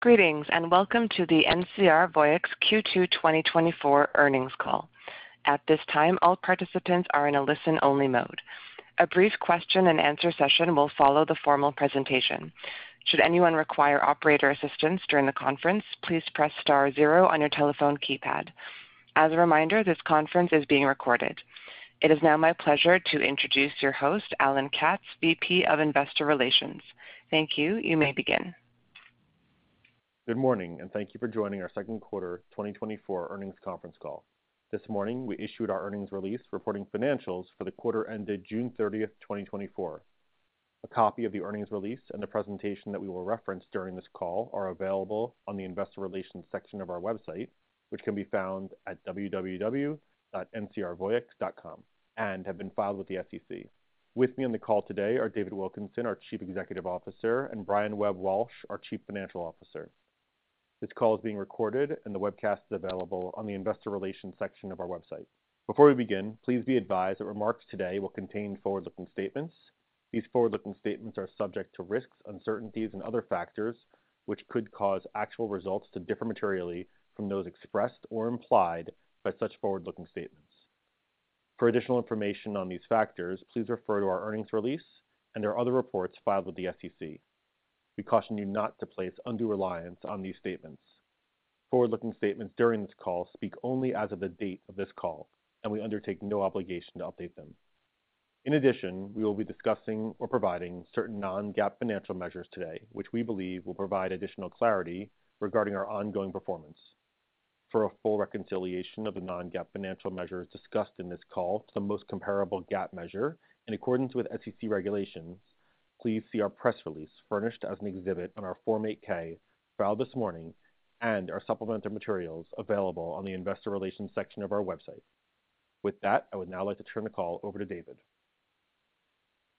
Greetings, and welcome to the NCR Voyix Q2 2024 earnings call. At this time, all participants are in a listen-only mode. A brief question-and-answer session will follow the formal presentation. Should anyone require operator assistance during the conference, please press star zero on your telephone keypad. As a reminder, this conference is being recorded. It is now my pleasure to introduce your host, Alan Katz, VP of Investor Relations. Thank you. You may begin. Good morning, and thank you for joining our second quarter 2024 earnings conference call. This morning, we issued our earnings release reporting financials for the quarter ended June thirtieth, 2024. A copy of the earnings release and the presentation that we will reference during this call are available on the Investor Relations section of our website, which can be found at www.ncrvoyix.com, and have been filed with the SEC. With me on the call today are David Wilkinson, our Chief Executive Officer, and Brian Webb-Walsh, our Chief Financial Officer. This call is being recorded, and the webcast is available on the Investor Relations section of our website. Before we begin, please be advised that remarks today will contain forward-looking statements. These forward-looking statements are subject to risks, uncertainties, and other factors which could cause actual results to differ materially from those expressed or implied by such forward-looking statements. For additional information on these factors, please refer to our earnings release and our other reports filed with the SEC. We caution you not to place undue reliance on these statements. Forward-looking statements during this call speak only as of the date of this call, and we undertake no obligation to update them. In addition, we will be discussing or providing certain non-GAAP financial measures today, which we believe will provide additional clarity regarding our ongoing performance. For a full reconciliation of the non-GAAP financial measures discussed in this call, the most comparable GAAP measure, in accordance with SEC regulations, please see our press release, furnished as an exhibit on our Form 8-K filed this morning, and our supplemental materials available on the Investor Relations section of our website. With that, I would now like to turn the call over to David.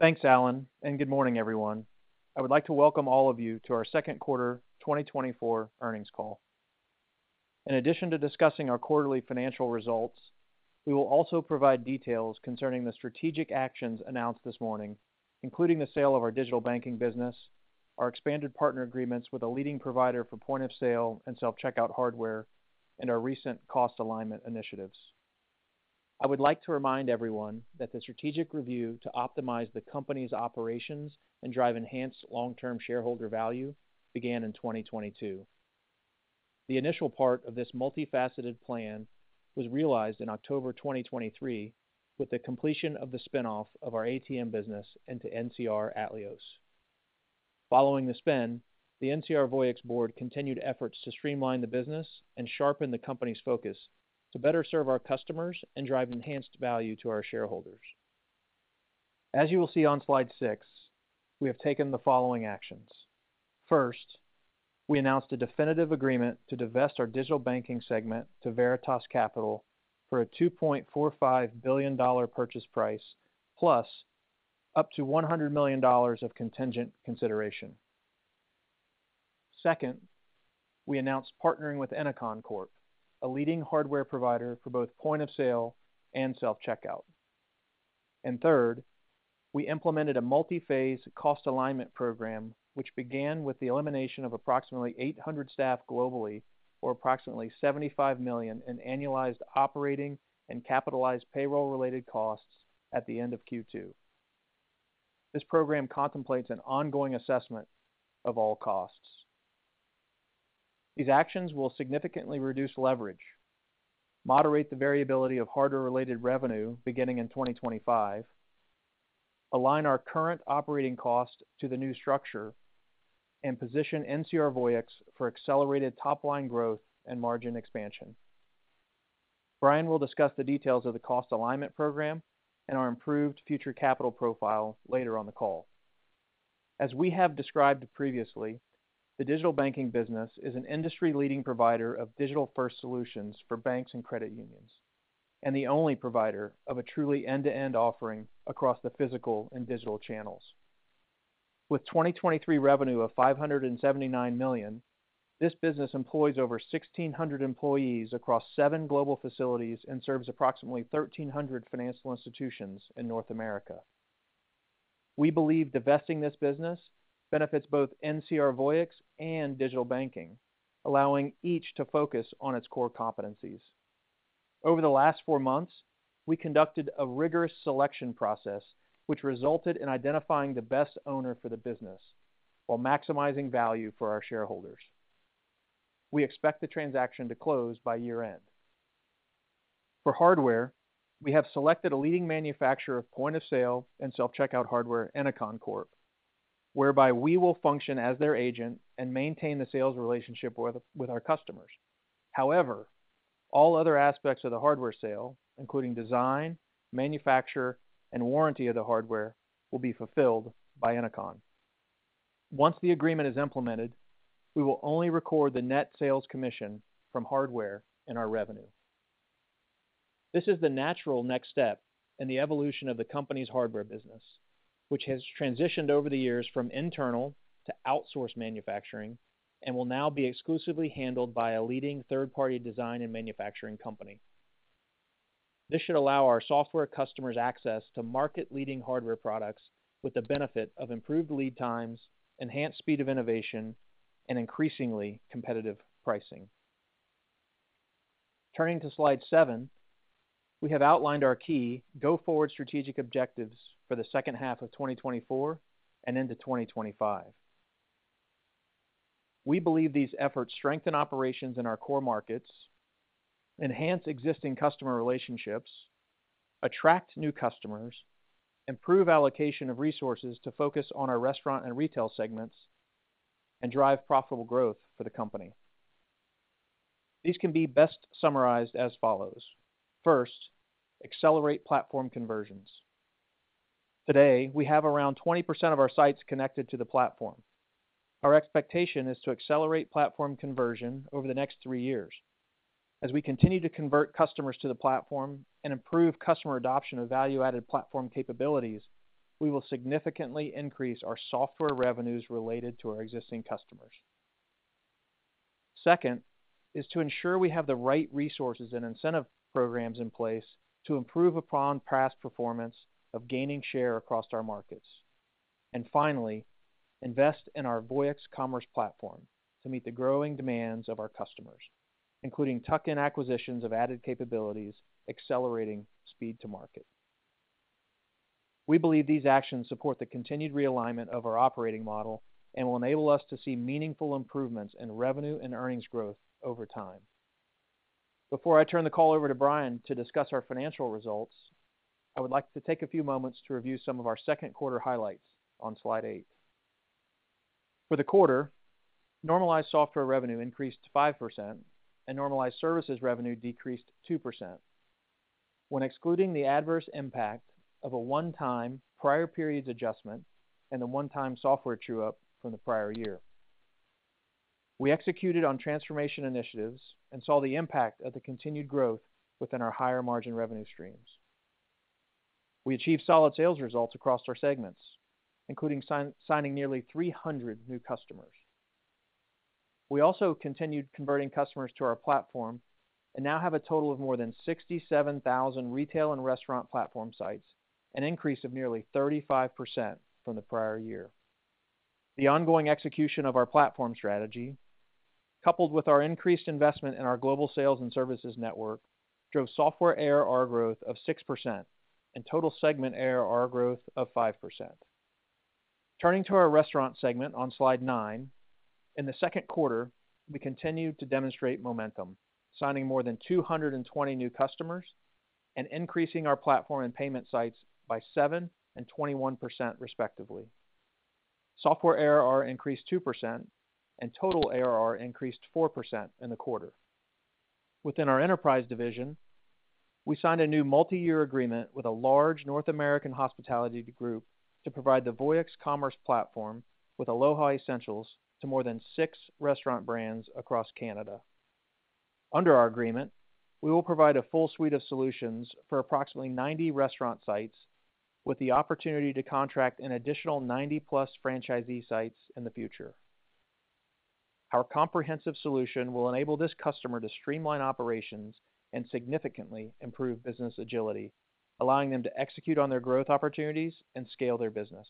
Thanks, Alan, and good morning, everyone. I would like to welcome all of you to our second quarter 2024 earnings call. In addition to discussing our quarterly financial results, we will also provide details concerning the strategic actions announced this morning, including the sale of our digital banking business, our expanded partner agreements with a leading provider for point-of-sale and self-checkout hardware, and our recent cost alignment initiatives. I would like to remind everyone that the strategic review to optimize the company's operations and drive enhanced long-term shareholder value began in 2022. The initial part of this multifaceted plan was realized in October 2023, with the completion of the spin-off of our ATM business into NCR Atleos. Following the spin, the NCR Voyix board continued efforts to streamline the business and sharpen the company's focus to better serve our customers and drive enhanced value to our shareholders. As you will see on slide 6, we have taken the following actions: First, we announced a definitive agreement to divest our Digital Banking segment to Veritas Capital for a $2.45 billion purchase price, plus up to $100 million of contingent consideration. Second, we announced partnering with Ennoconn Corporation, a leading hardware provider for both point-of-sale and self-checkout. And third, we implemented a multi-phase cost alignment program, which began with the elimination of approximately 800 staff globally, or approximately $75 million in annualized operating and capitalized payroll-related costs at the end of Q2. This program contemplates an ongoing assessment of all costs. These actions will significantly reduce leverage, moderate the variability of hardware-related revenue beginning in 2025, align our current operating cost to the new structure, and position NCR Voyix for accelerated top-line growth and margin expansion. Brian will discuss the details of the cost alignment program and our improved future capital profile later on the call. As we have described previously, the digital banking business is an industry-leading provider of digital-first solutions for banks and credit unions, and the only provider of a truly end-to-end offering across the physical and digital channels. With 2023 revenue of $579 million, this business employs over 1,600 employees across seven global facilities and serves approximately 1,300 financial institutions in North America. We believe divesting this business benefits both NCR Voyix and digital banking, allowing each to focus on its core competencies. Over the last four months, we conducted a rigorous selection process, which resulted in identifying the best owner for the business while maximizing value for our shareholders. We expect the transaction to close by year-end. For hardware, we have selected a leading manufacturer of point-of-sale and self-checkout hardware, Ennoconn Corporation, whereby we will function as their agent and maintain the sales relationship with our customers. However, all other aspects of the hardware sale, including design, manufacture, and warranty of the hardware, will be fulfilled by Ennoconn Corporation. Once the agreement is implemented, we will only record the net sales commission from hardware in our revenue. This is the natural next step in the evolution of the company's hardware business, which has transitioned over the years from internal to outsourced manufacturing and will now be exclusively handled by a leading third-party design and manufacturing company. This should allow our software customers access to market-leading hardware products with the benefit of improved lead times, enhanced speed of innovation, and increasingly competitive pricing. Turning to slide 7, we have outlined our key go-forward strategic objectives for the second half of 2024 and into 2025. We believe these efforts strengthen operations in our core markets, enhance existing customer relationships, attract new customers, improve allocation of resources to focus on our restaurant and retail segments, and drive profitable growth for the company. These can be best summarized as follows: First, accelerate platform conversions. Today, we have around 20% of our sites connected to the platform. Our expectation is to accelerate platform conversion over the next 3 years. As we continue to convert customers to the platform and improve customer adoption of value-added platform capabilities, we will significantly increase our software revenues related to our existing customers. Second, is to ensure we have the right resources and incentive programs in place to improve upon past performance of gaining share across our markets. Finally, invest in our Voyix Commerce Platform to meet the growing demands of our customers, including tuck-in acquisitions of added capabilities, accelerating speed to market. We believe these actions support the continued realignment of our operating model and will enable us to see meaningful improvements in revenue and earnings growth over time. Before I turn the call over to Brian to discuss our financial results, I would like to take a few moments to review some of our second quarter highlights on slide 8. For the quarter, normalized software revenue increased 5%, and normalized services revenue decreased 2%. When excluding the adverse impact of a one-time prior periods adjustment and a one-time software true-up from the prior year, we executed on transformation initiatives and saw the impact of the continued growth within our higher-margin revenue streams. We achieved solid sales results across our segments, including signing nearly 300 new customers. We also continued converting customers to our platform and now have a total of more than 67,000 retail and restaurant platform sites, an increase of nearly 35% from the prior year. The ongoing execution of our platform strategy, coupled with our increased investment in our global sales and services network, drove software ARR growth of 6% and total segment ARR growth of 5%. Turning to our restaurant segment on Slide 9, in the second quarter, we continued to demonstrate momentum, signing more than 220 new customers and increasing our platform and payment sites by 7% and 21%, respectively. Software ARR increased 2%, and total ARR increased 4% in the quarter. Within our enterprise division, we signed a new multi-year agreement with a large North American hospitality group to provide the Voyix Commerce Platform with Aloha Essentials to more than 6 restaurant brands across Canada. Under our agreement, we will provide a full suite of solutions for approximately 90 restaurant sites, with the opportunity to contract an additional 90+ franchisee sites in the future. Our comprehensive solution will enable this customer to streamline operations and significantly improve business agility, allowing them to execute on their growth opportunities and scale their business.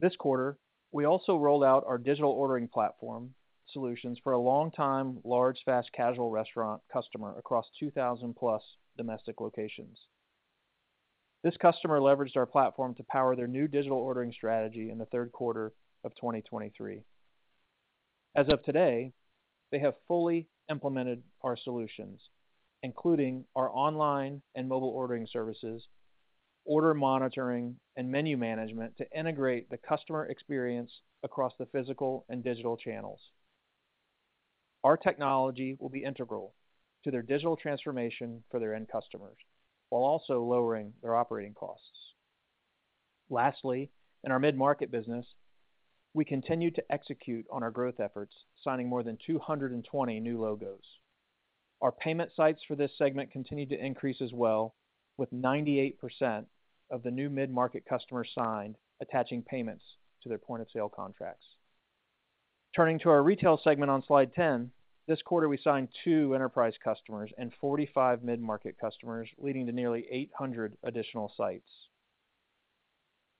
This quarter, we also rolled out our digital ordering platform solutions for a long-time, large, fast-casual restaurant customer across 2,000+ domestic locations. This customer leveraged our platform to power their new digital ordering strategy in the third quarter of 2023. As of today, they have fully implemented our solutions, including our online and mobile ordering services, order monitoring, and menu management, to integrate the customer experience across the physical and digital channels. Our technology will be integral to their digital transformation for their end customers, while also lowering their operating costs. Lastly, in our mid-market business, we continued to execute on our growth efforts, signing more than 220 new logos. Our payment sites for this segment continued to increase as well, with 98% of the new mid-market customers signed attaching payments to their point-of-sale contracts. Turning to our retail segment on Slide 10, this quarter, we signed two enterprise customers and 45 mid-market customers, leading to nearly 800 additional sites.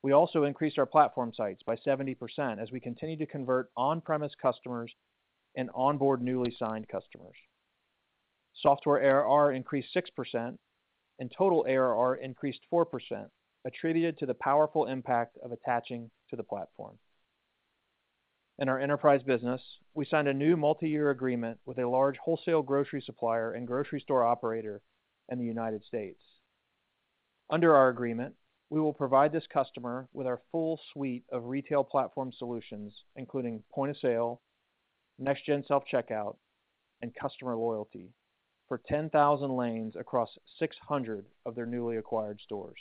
We also increased our platform sites by 70% as we continued to convert on-premise customers and onboard newly signed customers. Software ARR increased 6%, and total ARR increased 4%, attributed to the powerful impact of attaching to the platform. In our enterprise business, we signed a new multi-year agreement with a large wholesale grocery supplier and grocery store operator in the United States. Under our agreement, we will provide this customer with our full suite of retail platform solutions, including point of sale, next-gen self-checkout, and customer loyalty for 10,000 lanes across 600 of their newly acquired stores.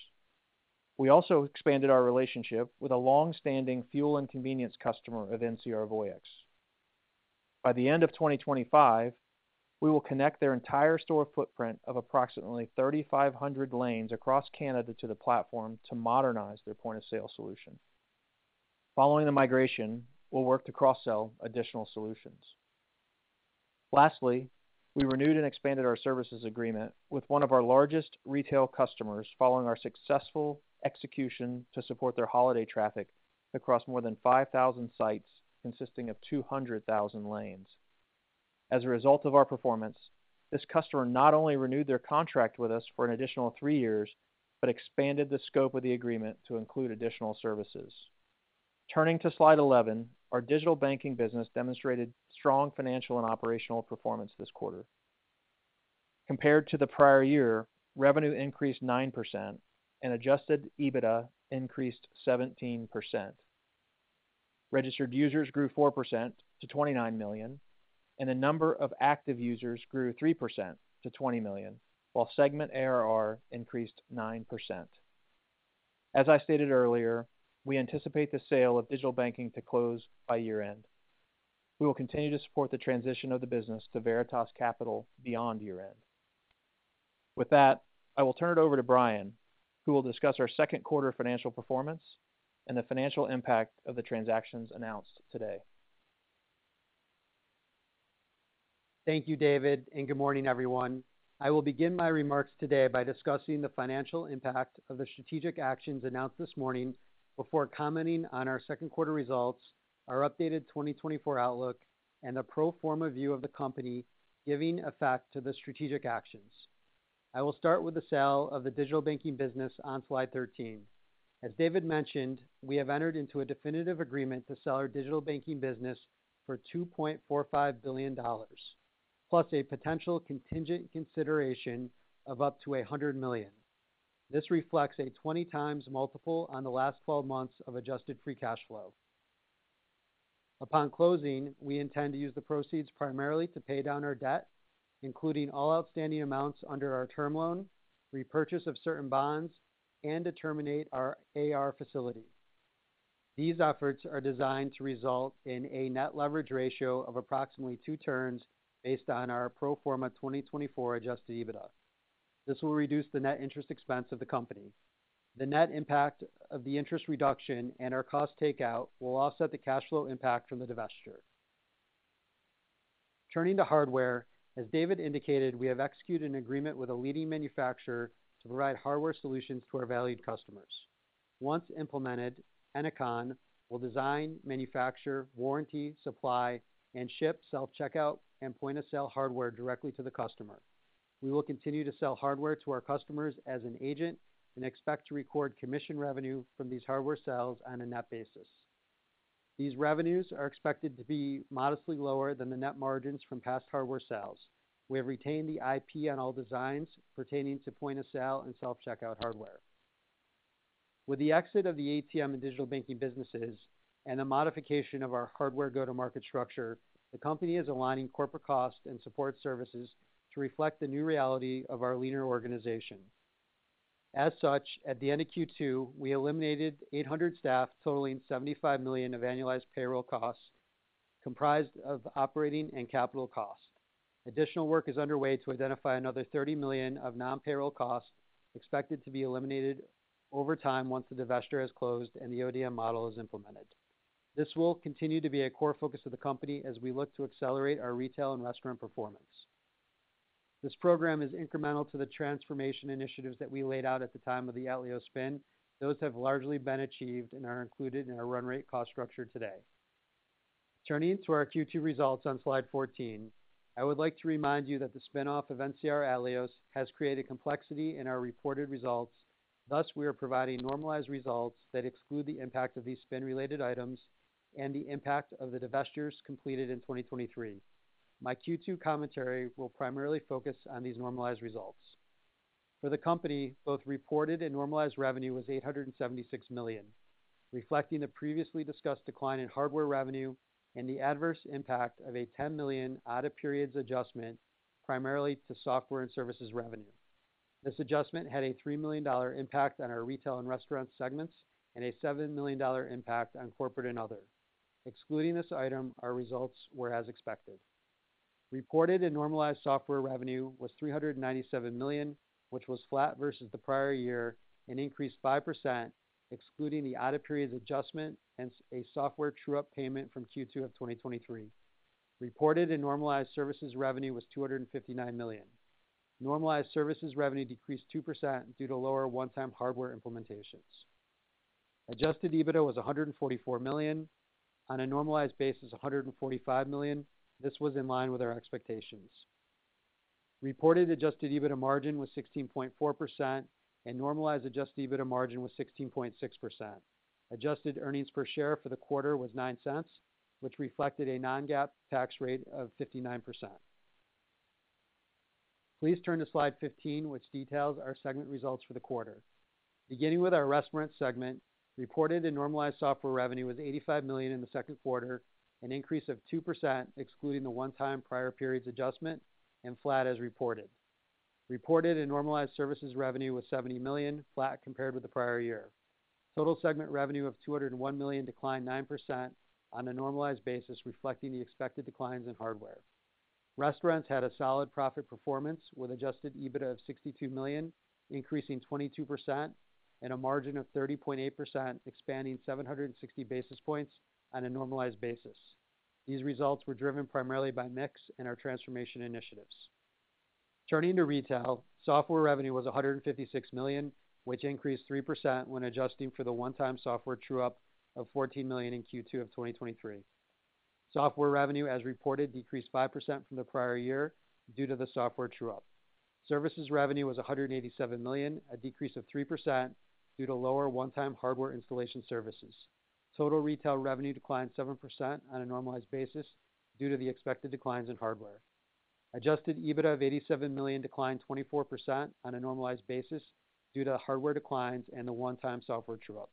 We also expanded our relationship with a long-standing fuel and convenience customer of NCR Voyix. By the end of 2025, we will connect their entire store footprint of approximately 3,500 lanes across Canada to the platform to modernize their point-of-sale solution. Following the migration, we'll work to cross-sell additional solutions. Lastly, we renewed and expanded our services agreement with one of our largest retail customers following our successful execution to support their holiday traffic across more than 5,000 sites, consisting of 200,000 lanes. As a result of our performance, this customer not only renewed their contract with us for an additional 3 years, but expanded the scope of the agreement to include additional services. Turning to Slide 11, our Digital Banking business demonstrated strong financial and operational performance this quarter. Compared to the prior year, revenue increased 9% and Adjusted EBITDA increased 17%. Registered users grew 4% to 29 million, and the number of active users grew 3% to 20 million, while segment ARR increased 9%. As I stated earlier, we anticipate the sale of Digital Banking to close by year-end. We will continue to support the transition of the business to Veritas Capital beyond year-end. With that, I will turn it over to Brian, who will discuss our second quarter financial performance and the financial impact of the transactions announced today. Thank you, David, and good morning, everyone. I will begin my remarks today by discussing the financial impact of the strategic actions announced this morning before commenting on our second quarter results, our updated 2024 outlook, and a pro forma view of the company giving effect to the strategic actions. I will start with the sale of the Digital Banking business on Slide 13. As David mentioned, we have entered into a definitive agreement to sell our Digital Banking business for $2.45 billion, plus a potential contingent consideration of up to $100 million. This reflects a 20x multiple on the last 12 months of adjusted free cash flow. Upon closing, we intend to use the proceeds primarily to pay down our debt, including all outstanding amounts under our term loan, repurchase of certain bonds, and to terminate our AR facility. These efforts are designed to result in a net leverage ratio of approximately two turns based on our pro forma 2024 adjusted EBITDA. This will reduce the net interest expense of the company. The net impact of the interest reduction and our cost takeout will offset the cash flow impact from the divestiture. Turning to hardware, as David indicated, we have executed an agreement with a leading manufacturer to provide hardware solutions to our valued customers. Once implemented, Ennoconn will design, manufacture, warranty, supply, and ship self-checkout and point-of-sale hardware directly to the customer. We will continue to sell hardware to our customers as an agent and expect to record commission revenue from these hardware sales on a net basis. These revenues are expected to be modestly lower than the net margins from past hardware sales. We have retained the IP on all designs pertaining to point of sale and self-checkout hardware. With the exit of the ATM and Digital Banking businesses and the modification of our hardware go-to-market structure, the company is aligning corporate costs and support services to reflect the new reality of our leaner organization. As such, at the end of Q2, we eliminated 800 staff, totaling $75 million of annualized payroll costs, comprised of operating and capital costs. Additional work is underway to identify another $30 million of non-payroll costs expected to be eliminated over time once the divestiture is closed and the ODM model is implemented. This will continue to be a core focus of the company as we look to accelerate our retail and restaurant performance. This program is incremental to the transformation initiatives that we laid out at the time of the Atleos spin. Those have largely been achieved and are included in our run rate cost structure today. Turning to our Q2 results on Slide 14, I would like to remind you that the spin-off of NCR Atleos has created complexity in our reported results. Thus, we are providing normalized results that exclude the impact of these spin-related items and the impact of the divestitures completed in 2023. My Q2 commentary will primarily focus on these normalized results. For the company, both reported and normalized revenue was $876 million, reflecting the previously discussed decline in hardware revenue and the adverse impact of a $10 million out-of-periods adjustment, primarily to software and services revenue. This adjustment had a $3 million impact on our retail and restaurant segments and a $7 million impact on corporate and other. Excluding this item, our results were as expected. Reported and normalized software revenue was $397 million, which was flat versus the prior year, and increased 5%, excluding the out-of-period adjustment and a software true-up payment from Q2 of 2023. Reported and normalized services revenue was $259 million. Normalized services revenue decreased 2% due to lower one-time hardware implementations. Adjusted EBITDA was $144 million, on a normalized basis, $145 million. This was in line with our expectations. Reported adjusted EBITDA margin was 16.4%, and normalized adjusted EBITDA margin was 16.6%. Adjusted earnings per share for the quarter was $0.09, which reflected a non-GAAP tax rate of 59%. Please turn to Slide 15, which details our segment results for the quarter. Beginning with our restaurant segment, reported and normalized software revenue was $85 million in the second quarter, an increase of 2%, excluding the one-time prior periods adjustment, and flat as reported. Reported and normalized services revenue was $70 million, flat compared with the prior year. Total segment revenue of $201 million declined 9% on a normalized basis, reflecting the expected declines in hardware. Restaurants had a solid profit performance, with Adjusted EBITDA of $62 million, increasing 22%, and a margin of 30.8%, expanding 760 basis points on a normalized basis. These results were driven primarily by mix and our transformation initiatives. Turning to retail, software revenue was $156 million, which increased 3% when adjusting for the one-time software true-up of $14 million in Q2 of 2023. Software revenue, as reported, decreased 5% from the prior year due to the software true-up. Services revenue was $187 million, a decrease of 3% due to lower one-time hardware installation services. Total retail revenue declined 7% on a normalized basis due to the expected declines in hardware. Adjusted EBITDA of $87 million declined 24% on a normalized basis due to hardware declines and the one-time software true-up.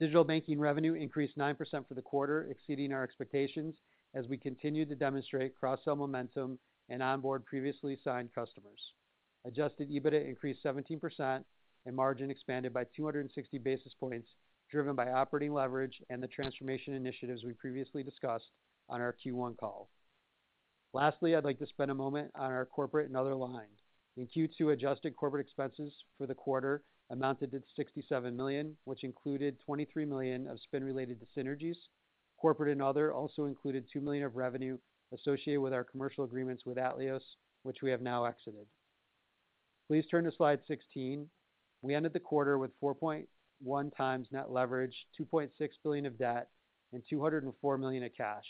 Digital Banking revenue increased 9% for the quarter, exceeding our expectations as we continued to demonstrate cross-sell momentum and onboard previously signed customers. Adjusted EBITDA increased 17%, and margin expanded by 260 basis points, driven by operating leverage and the transformation initiatives we previously discussed on our Q1 call. Lastly, I'd like to spend a moment on our corporate and other line. In Q2, adjusted corporate expenses for the quarter amounted to $67 million, which included $23 million of spend related to synergies. Corporate and other also included $2 million of revenue associated with our commercial agreements with Atleos, which we have now exited. Please turn to slide 16. We ended the quarter with 4.1 times net leverage, $2.6 billion of debt, and $204 million of cash.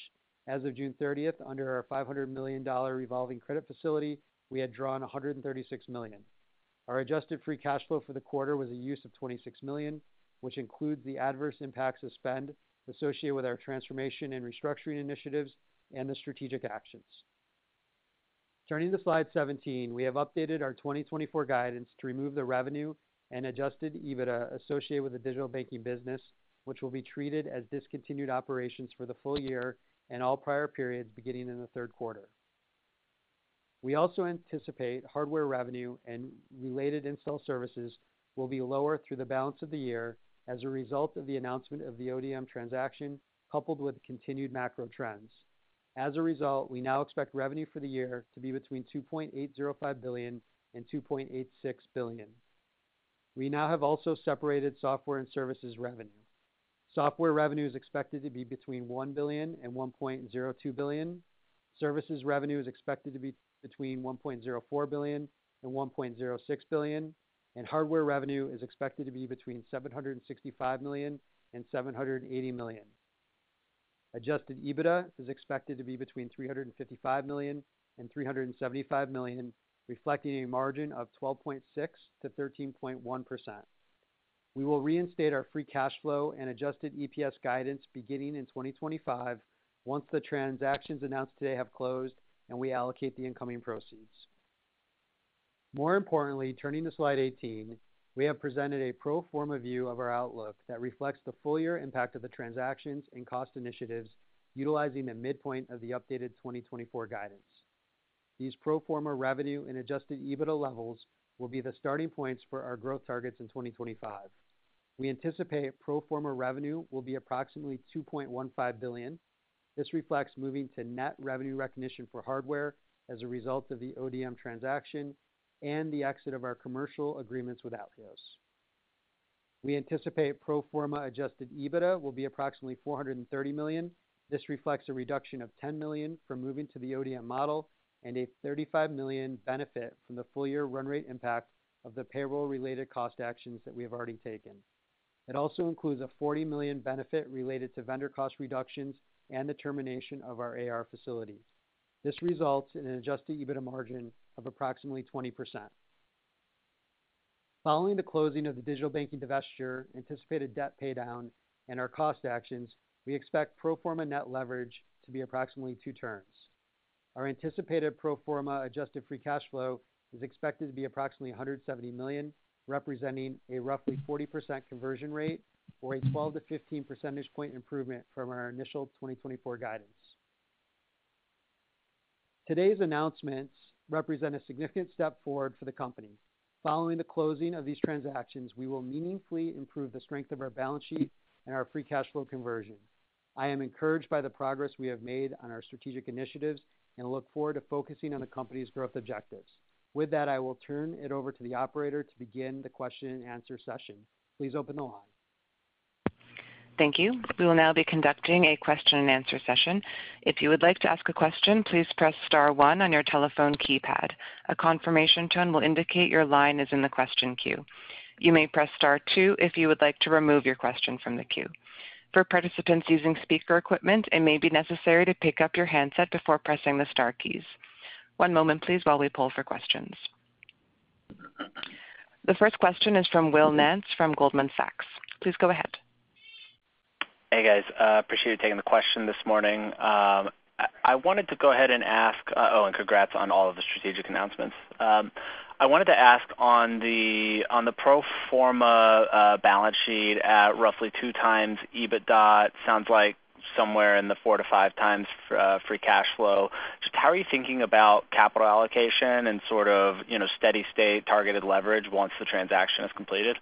As of June thirtieth, under our $500 million dollar revolving credit facility, we had drawn $136 million. Our adjusted free cash flow for the quarter was a use of $26 million, which includes the adverse impacts of spend associated with our transformation and restructuring initiatives and the strategic actions. Turning to slide 17, we have updated our 2024 guidance to remove the revenue and adjusted EBITDA associated with the digital banking business, which will be treated as discontinued operations for the full year and all prior periods beginning in the third quarter. We also anticipate hardware revenue and related install services will be lower through the balance of the year as a result of the announcement of the ODM transaction, coupled with continued macro trends. As a result, we now expect revenue for the year to be between $2.805 billion and $2.86 billion. We now have also separated software and services revenue. Software revenue is expected to be between $1 billion and $1.02 billion. Services revenue is expected to be between $1.04 billion and $1.06 billion, and hardware revenue is expected to be between $765 million and $780 million. Adjusted EBITDA is expected to be between $355 million and $375 million, reflecting a margin of 12.6%-13.1%. We will reinstate our free cash flow and adjusted EPS guidance beginning in 2025 once the transactions announced today have closed and we allocate the incoming proceeds. More importantly, turning to slide 18, we have presented a pro forma view of our outlook that reflects the full year impact of the transactions and cost initiatives utilizing the midpoint of the updated 2024 guidance. These pro forma revenue and Adjusted EBITDA levels will be the starting points for our growth targets in 2025. We anticipate pro forma revenue will be approximately $2.15 billion. This reflects moving to net revenue recognition for hardware as a result of the ODM transaction and the exit of our commercial agreements with Atleos. We anticipate pro forma Adjusted EBITDA will be approximately $430 million. This reflects a reduction of $10 million from moving to the ODM model and a $35 million benefit from the full year run rate impact of the payroll-related cost actions that we have already taken. It also includes a $40 million benefit related to vendor cost reductions and the termination of our AR facilities. This results in an Adjusted EBITDA margin of approximately 20%. Following the closing of the digital banking divestiture, anticipated debt paydown, and our cost actions, we expect pro forma net leverage to be approximately 2 turns. Our anticipated pro forma adjusted free cash flow is expected to be approximately $170 million, representing a roughly 40% conversion rate or a 12-15 percentage point improvement from our initial 2024 guidance. Today's announcements represent a significant step forward for the company. Following the closing of these transactions, we will meaningfully improve the strength of our balance sheet and our free cash flow conversion. I am encouraged by the progress we have made on our strategic initiatives and look forward to focusing on the company's growth objectives. With that, I will turn it over to the operator to begin the question-and-answer session. Please open the line. Thank you. We will now be conducting a question-and-answer session. If you would like to ask a question, please press star one on your telephone keypad. A confirmation tone will indicate your line is in the question queue. You may press star two if you would like to remove your question from the queue. For participants using speaker equipment, it may be necessary to pick up your handset before pressing the star keys. One moment, please, while we poll for questions. The first question is from Will Nance from Goldman Sachs. Please go ahead. Hey, guys. Appreciate you taking the question this morning. I wanted to go ahead and ask, oh, and congrats on all of the strategic announcements. I wanted to ask on the pro forma balance sheet at roughly 2x EBITDA. It sounds like somewhere in the 4-5x free cash flow. Just how are you thinking about capital allocation and sort of, you know, steady-state targeted leverage once the transaction is completed?...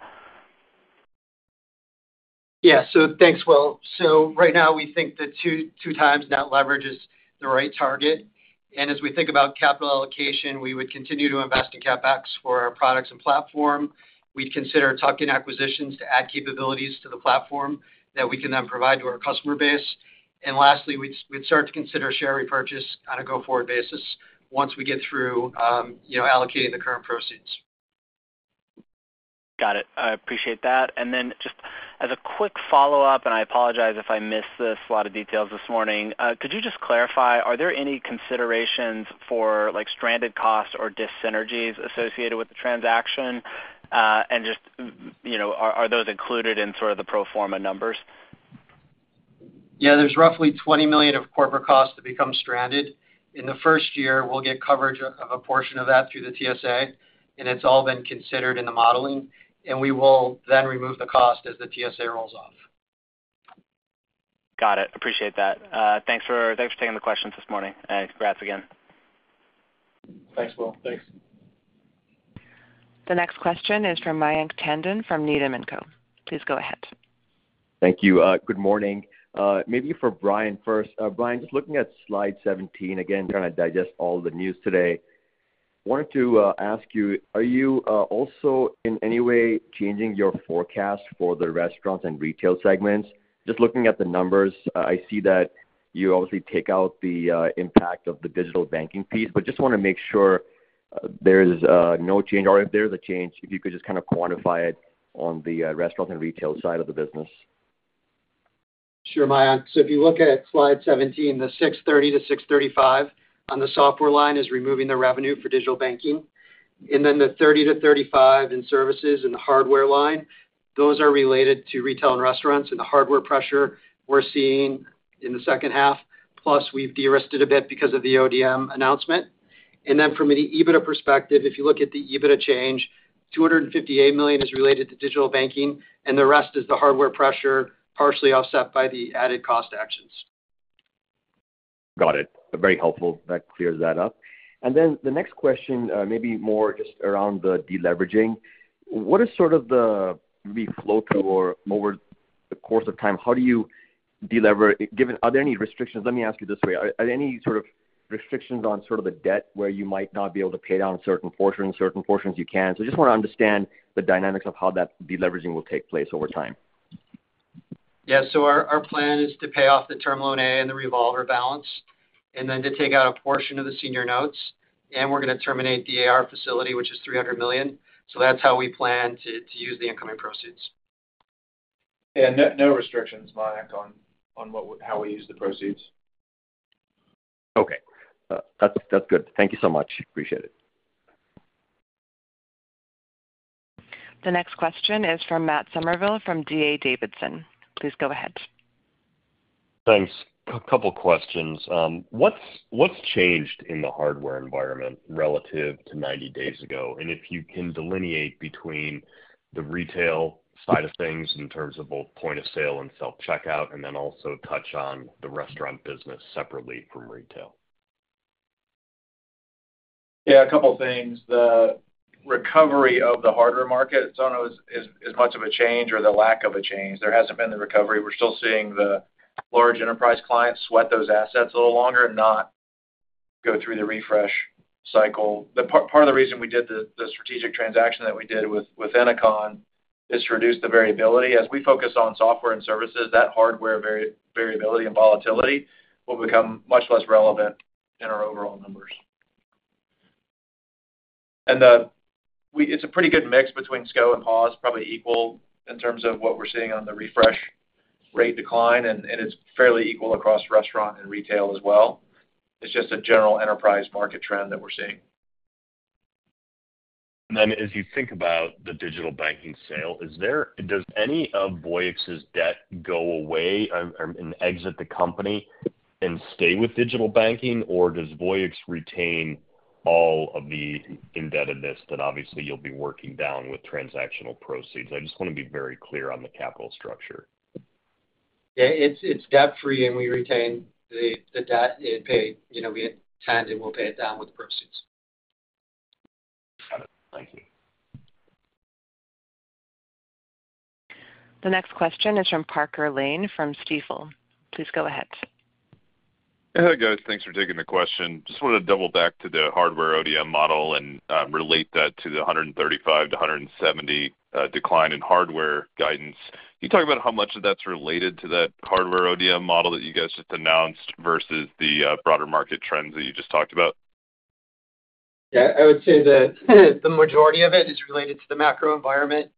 Yeah, so thanks, Will. So right now, we think that 2, 2 times net leverage is the right target. And as we think about capital allocation, we would continue to invest in CapEx for our products and platform. We'd consider tuck-in acquisitions to add capabilities to the platform that we can then provide to our customer base. And lastly, we'd start to consider share repurchase on a go-forward basis once we get through, you know, allocating the current proceeds. Got it. I appreciate that. And then just as a quick follow-up, and I apologize if I missed this, a lot of details this morning. Could you just clarify, are there any considerations for, like, stranded costs or dyssynergies associated with the transaction? And just, you know, are, are those included in sort of the pro forma numbers? Yeah, there's roughly $20 million of corporate costs that become stranded. In the first year, we'll get coverage of a portion of that through the TSA, and it's all been considered in the modeling, and we will then remove the cost as the TSA rolls off. Got it. Appreciate that. Thanks for taking the questions this morning, and congrats again. Thanks, Will. Thanks. The next question is from Mayank Tandon from Needham & Company. Please go ahead. Thank you. Good morning. Maybe for Brian first. Brian, just looking at slide 17, again, trying to digest all the news today. Wanted to ask you, are you also in any way changing your forecast for the restaurants and retail segments? Just looking at the numbers, I see that you obviously take out the impact of the Digital Banking piece, but just wanna make sure, there's no change, or if there's a change, if you could just kind of quantify it on the restaurant and retail side of the business. Sure, Mayank. So if you look at slide 17, the $630 million-$635 million on the software line is removing the revenue for digital banking. And then the $30 million-$35 million in services and the hardware line, those are related to retail and restaurants, and the hardware pressure we're seeing in the second half, plus we've de-risked a bit because of the ODM announcement. And then from an EBITDA perspective, if you look at the EBITDA change, $258 million is related to digital banking, and the rest is the hardware pressure, partially offset by the added cost actions. Got it. Very helpful. That clears that up. And then the next question, maybe more just around the deleveraging. What is sort of the flow through or over the course of time, how do you delever. Let me ask you this way: Are there any sort of restrictions on sort of the debt where you might not be able to pay down certain portions, certain portions you can? So just wanna understand the dynamics of how that deleveraging will take place over time. Yeah. So our plan is to pay off the Term Loan A and the revolver balance, and then to take out a portion of the senior notes, and we're gonna terminate the AR facility, which is $300 million. So that's how we plan to use the incoming proceeds. Yeah, no, no restrictions, Mayank, on how we use the proceeds. Okay. That's, that's good. Thank you so much. Appreciate it. The next question is from Matt Summerville from D.A. Davidson. Please go ahead. Thanks. A couple questions. What's changed in the hardware environment relative to 90 days ago? And if you can delineate between the retail side of things in terms of both point of sale and self-checkout, and then also touch on the restaurant business separately from retail. Yeah, a couple things. The recovery of the hardware market, it's not as much of a change or the lack of a change. There hasn't been the recovery. We're still seeing the large enterprise clients sweat those assets a little longer and not go through the refresh cycle. The part of the reason we did the strategic transaction that we did with Ennoconn is to reduce the variability. As we focus on software and services, that hardware variability and volatility will become much less relevant in our overall numbers. And it's a pretty good mix between SCO and POS, probably equal in terms of what we're seeing on the refresh rate decline, and it's fairly equal across restaurant and retail as well. It's just a general enterprise market trend that we're seeing. Then as you think about the Digital Banking sale, does any of Voyix's debt go away and exit the company and stay with Digital Banking, or does Voyix retain all of the indebtedness that obviously you'll be working down with transactional proceeds? I just wanna be very clear on the capital structure. Yeah, it's debt-free, and we retain the debt it paid. You know, we had planned it, and we'll pay it down with the proceeds. Got it. Thank you. The next question is from Parker Lane from Stifel. Please go ahead. Hey, guys. Thanks for taking the question. Just wanted to double back to the hardware ODM model and relate that to the 135-170 decline in hardware guidance. Can you talk about how much of that's related to that hardware ODM model that you guys just announced versus the broader market trends that you just talked about? Yeah, I would say that the majority of it is related to the macro environment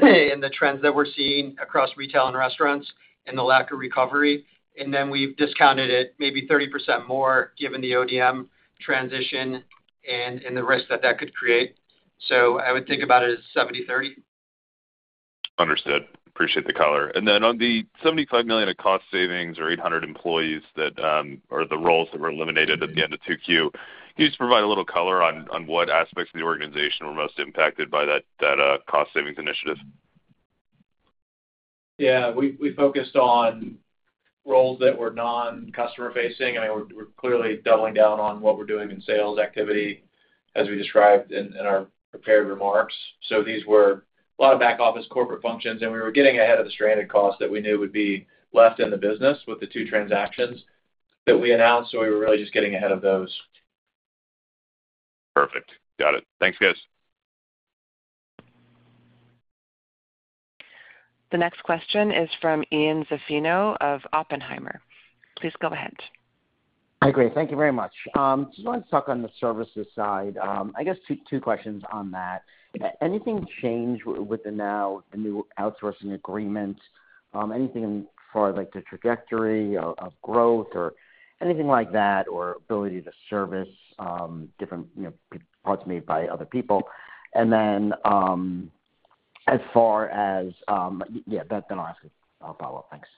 and the trends that we're seeing across retail and restaurants and the lack of recovery. And then we've discounted it maybe 30% more, given the ODM transition and the risk that that could create. So I would think about it as 70/30. Understood. Appreciate the color. And then on the $75 million of cost savings or 800 employees that, or the roles that were eliminated at the end of 2Q, can you just provide a little color on, on what aspects of the organization were most impacted by that, that, cost savings initiative? Yeah. We focused on- ... roles that were non-customer facing. I mean, we're clearly doubling down on what we're doing in sales activity, as we described in our prepared remarks. So these were a lot of back office corporate functions, and we were getting ahead of the stranded costs that we knew would be left in the business with the two transactions that we announced. So we were really just getting ahead of those. Perfect. Got it. Thanks, guys. The next question is from Ian Zaffino of Oppenheimer. Please go ahead. Hi, great. Thank you very much. Just wanted to talk on the services side. I guess, two questions on that. Anything change with the now the new outsourcing agreement? Anything as far as, like, the trajectory of growth or anything like that, or ability to service, different, you know, parts made by other people? And then, as far as... Yeah, that, then I'll ask a, I'll follow up. Thanks.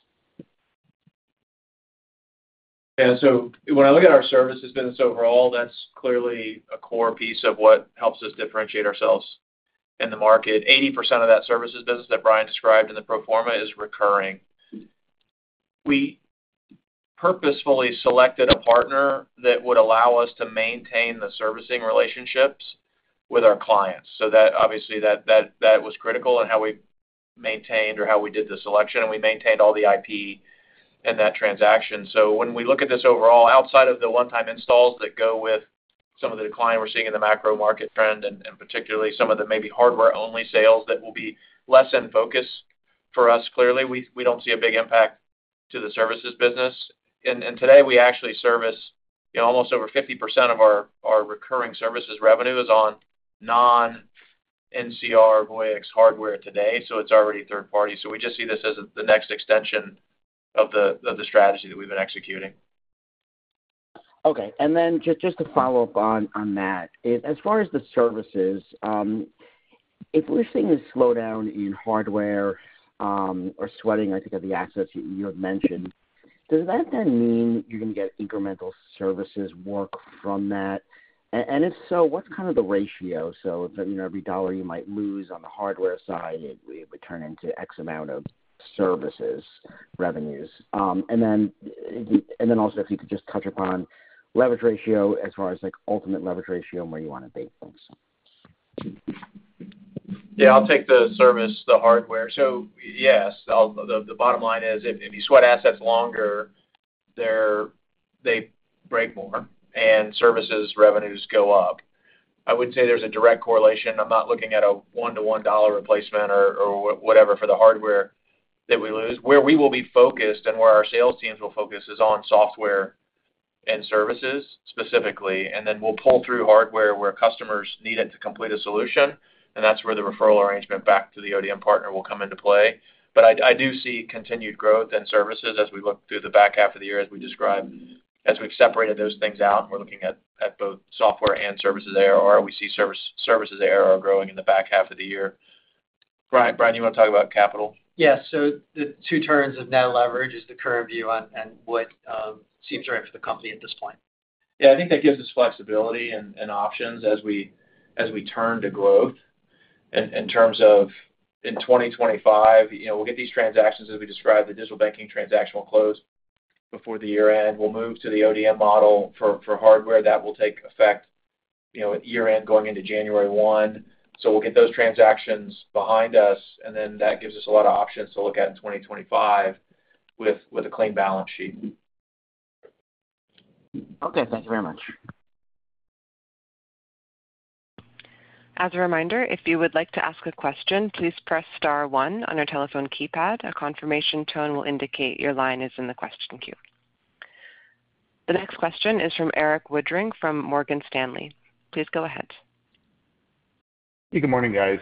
Yeah, so when I look at our services business overall, that's clearly a core piece of what helps us differentiate ourselves in the market. 80% of that services business that Brian described in the pro forma is recurring. We purposefully selected a partner that would allow us to maintain the servicing relationships with our clients. So that, obviously, was critical in how we maintained or how we did the selection, and we maintained all the IP in that transaction. So when we look at this overall, outside of the one-time installs that go with some of the decline we're seeing in the macro market trend, and particularly some of the maybe hardware-only sales that will be less in focus for us, clearly, we don't see a big impact to the services business. Today, we actually service, you know, almost over 50% of our recurring services revenue on non-NCR Voyix hardware today, so it's already third party. So we just see this as the next extension of the strategy that we've been executing. Okay. And then just to follow up on that, as far as the services, if we're seeing a slowdown in hardware, or sweating, I think, of the assets you had mentioned, does that then mean you're going to get incremental services work from that? And if so, what's kind of the ratio, so that, you know, every dollar you might lose on the hardware side, it would turn into X amount of services revenues? And then also if you could just touch upon leverage ratio as far as, like, ultimate leverage ratio and where you want to be. Thanks. Yeah, I'll take the service, the hardware. So yes, the bottom line is, if you sweat assets longer, they're they break more, and services revenues go up. I wouldn't say there's a direct correlation. I'm not looking at a one-to-one dollar replacement or whatever for the hardware that we lose. Where we will be focused and where our sales teams will focus is on software and services, specifically, and then we'll pull through hardware where customers need it to complete a solution, and that's where the referral arrangement back to the ODM partner will come into play. But I do see continued growth in services as we look through the back half of the year, as we described. As we've separated those things out, we're looking at, at both software and services ARR, or we see service, services ARR growing in the back half of the year. Brian, Brian, you want to talk about capital? Yes, so the 2 turns of net leverage is the current view on and what seems right for the company at this point. Yeah, I think that gives us flexibility and options as we turn to growth. In terms of 2025, you know, we'll get these transactions, as we described, the Digital Banking transaction will close before the year-end. We'll move to the ODM model for hardware. That will take effect, you know, at year-end going into January 1. So we'll get those transactions behind us, and then that gives us a lot of options to look at in 2025 with a clean balance sheet. Okay, thank you very much. As a reminder, if you would like to ask a question, please press star one on your telephone keypad. A confirmation tone will indicate your line is in the question queue. The next question is from Eric Woodring from Morgan Stanley. Please go ahead. Good morning, guys.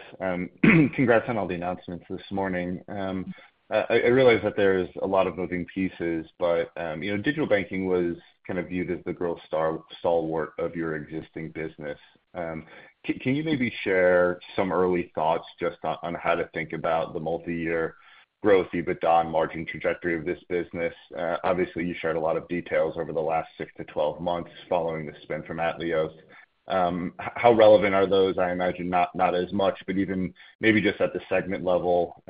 Congrats on all the announcements this morning. I realize that there's a lot of moving pieces, but, you know, digital banking was kind of viewed as the growth star-stalwart of your existing business. Can you maybe share some early thoughts just on how to think about the multiyear growth, EBITDA and margin trajectory of this business? Obviously, you shared a lot of details over the last six to twelve months following the spin from Atleos. How relevant are those? I imagine not as much, but even maybe just at the segment level,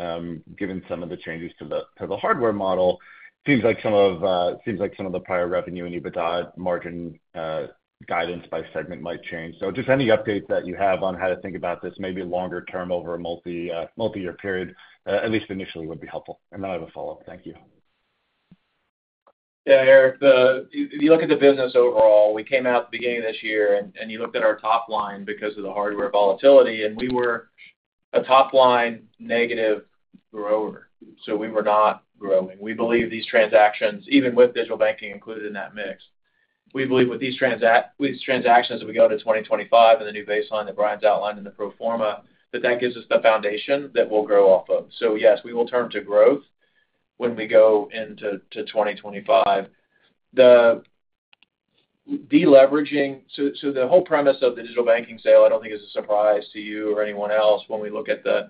given some of the changes to the hardware model, seems like some of the prior revenue and EBITDA margin guidance by segment might change. So just any update that you have on how to think about this, maybe longer term over a multi, multi-year period, at least initially, would be helpful. And then I have a follow-up. Thank you. Yeah, Eric, the... If you look at the business overall, we came out at the beginning of this year, and you looked at our top line because of the hardware volatility, and we were a top-line negative grower. So we were not growing. We believe these transactions, even with digital banking included in that mix, we believe with these transactions, as we go to 2025 and the new baseline that Brian's outlined in the pro forma, that that gives us the foundation that we'll grow off of. So yes, we will turn to growth when we go into 2025. The deleveraging—so, so the whole premise of the digital banking sale, I don't think is a surprise to you or anyone else when we look at the,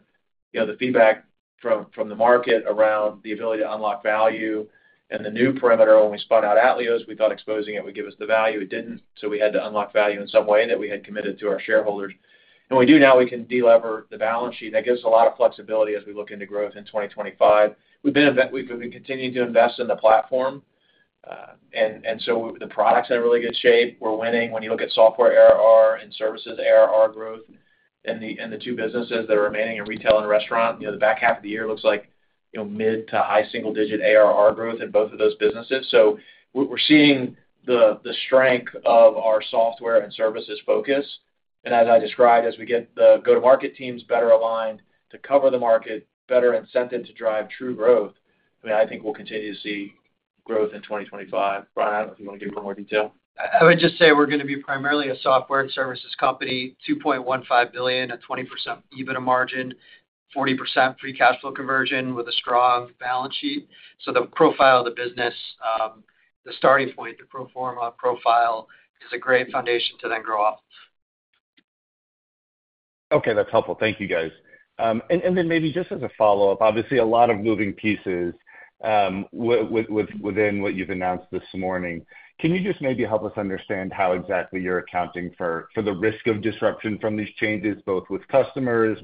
you know, the feedback from, from the market around the ability to unlock value and the new perimeter. When we spun out Atleos, we thought exposing it would give us the value. It didn't, so we had to unlock value in some way that we had committed to our shareholders. And we do now, we can delever the balance sheet. That gives us a lot of flexibility as we look into growth in 2025. We've been invest—we've been continuing to invest in the platform.... And, and so the product's in really good shape. We're winning. When you look at software ARR and services ARR growth in the two businesses that are remaining in retail and restaurant, you know, the back half of the year looks like, you know, mid- to high single-digit ARR growth in both of those businesses. So we're seeing the strength of our software and services focus. And as I described, as we get the go-to-market teams better aligned to cover the market, better incentive to drive true growth, I mean, I think we'll continue to see growth in 2025. Brian, I don't know if you want to give more detail? I would just say we're gonna be primarily a software and services company, $2.15 billion, a 20% EBITDA margin, 40% free cash flow conversion with a strong balance sheet. So the profile of the business, the starting point, the pro forma profile, is a great foundation to then grow off. Okay, that's helpful. Thank you, guys. And then maybe just as a follow-up, obviously, a lot of moving pieces within what you've announced this morning. Can you just maybe help us understand how exactly you're accounting for the risk of disruption from these changes, both with customers,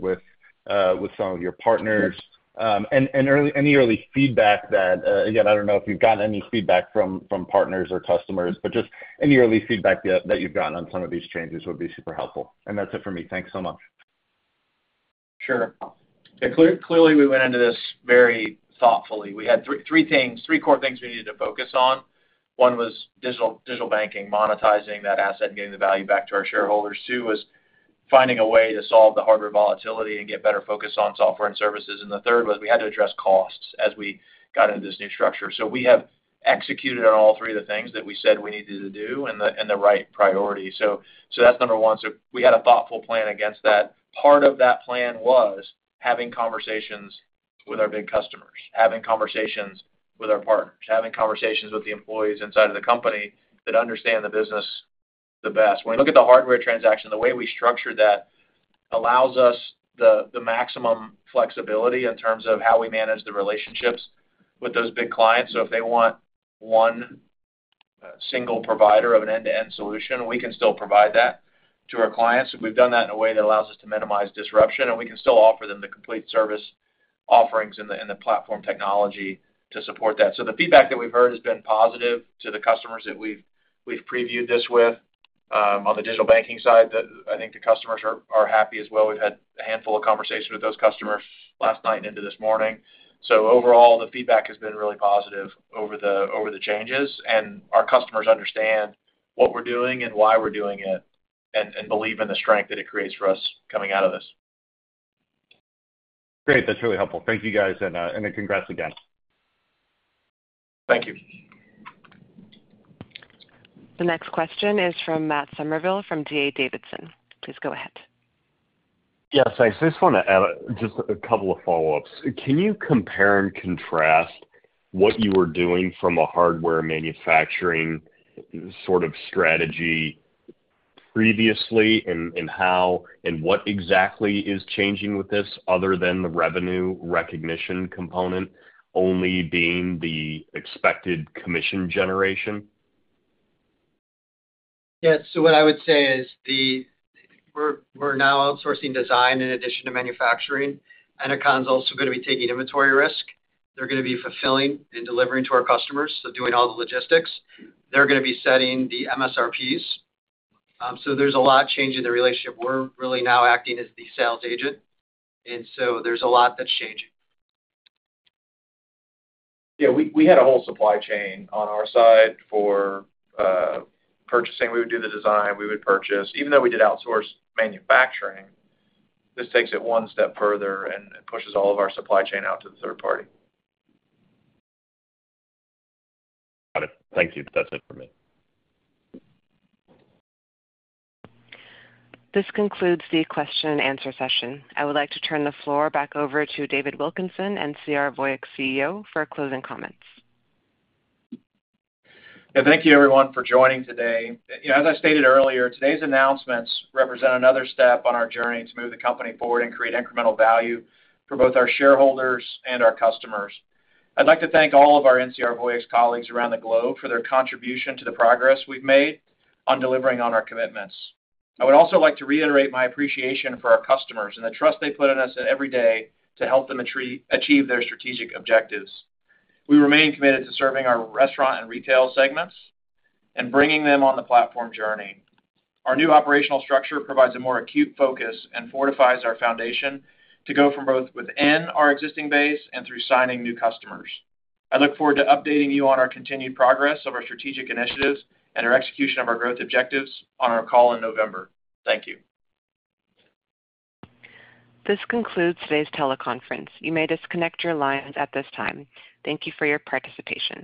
with some of your partners? And any early feedback that... Again, I don't know if you've gotten any feedback from partners or customers, but just any early feedback that you've gotten on some of these changes would be super helpful. And that's it for me. Thanks so much. Sure. Clearly, we went into this very thoughtfully. We had three core things we needed to focus on. One was Digital Banking, monetizing that asset and getting the value back to our shareholders. Two was finding a way to solve the hardware volatility and get better focus on software and services. And the third was we had to address costs as we got into this new structure. So we have executed on all three of the things that we said we needed to do and the right priority. So that's number one. So we had a thoughtful plan against that. Part of that plan was having conversations with our big customers, having conversations with our partners, having conversations with the employees inside of the company that understand the business the best. When we look at the hardware transaction, the way we structured that allows us the maximum flexibility in terms of how we manage the relationships with those big clients. So if they want one single provider of an end-to-end solution, we can still provide that to our clients. We've done that in a way that allows us to minimize disruption, and we can still offer them the complete service offerings and the platform technology to support that. So the feedback that we've heard has been positive to the customers that we've previewed this with. On the Digital Banking side, I think the customers are happy as well. We've had a handful of conversations with those customers last night and into this morning. Overall, the feedback has been really positive over the changes, and our customers understand what we're doing and why we're doing it, and believe in the strength that it creates for us coming out of this. Great. That's really helpful. Thank you, guys, and, and congrats again. Thank you. The next question is from Matt Summerville, from D.A. Davidson. Please go ahead. Yeah, thanks. I just want to add just a couple of follow-ups. Can you compare and contrast what you were doing from a hardware manufacturing sort of strategy previously, and, and how and what exactly is changing with this, other than the revenue recognition component only being the expected commission generation? Yeah, so what I would say is. We're now outsourcing design in addition to manufacturing. Ennoconn's also going to be taking inventory risk. They're going to be fulfilling and delivering to our customers, so doing all the logistics. They're going to be setting the MSRPs. So there's a lot of change in the relationship. We're really now acting as the sales agent, and so there's a lot that's changing. Yeah, we had a whole supply chain on our side for purchasing. We would do the design, we would purchase. Even though we did outsource manufacturing, this takes it one step further and pushes all of our supply chain out to the third party. Got it. Thank you. That's it for me. This concludes the question and answer session. I would like to turn the floor back over to David Wilkinson, NCR Voyix CEO, for closing comments. Yeah, thank you everyone for joining today. You know, as I stated earlier, today's announcements represent another step on our journey to move the company forward and create incremental value for both our shareholders and our customers. I'd like to thank all of our NCR Voyix colleagues around the globe for their contribution to the progress we've made on delivering on our commitments. I would also like to reiterate my appreciation for our customers and the trust they put in us every day to help them achieve their strategic objectives. We remain committed to serving our restaurant and retail segments and bringing them on the platform journey. Our new operational structure provides a more acute focus and fortifies our foundation to go from both within our existing base and through signing new customers. I look forward to updating you on our continued progress of our strategic initiatives and our execution of our growth objectives on our call in November. Thank you. This concludes today's teleconference. You may disconnect your lines at this time. Thank you for your participation.